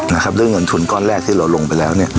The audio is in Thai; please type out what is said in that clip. นะครับด้วยเงินทุนก้อนแรกที่เราลงไปแล้วเนี่ย